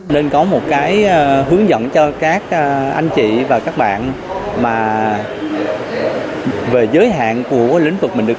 nên có một cái hướng dẫn cho các anh chị và các bạn mà về giới hạn của lĩnh vực mình được